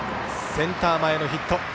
センター前ヒット。